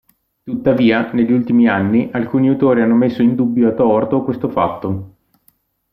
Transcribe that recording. Tuttavia, negli ultimi anni, alcuni autori hanno messo in dubbio a torto questo fatto.